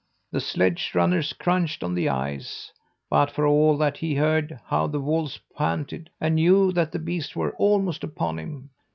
"The sledge runners crunched on the ice, but for all that he heard how the wolves panted, and knew that the beasts were almost upon him.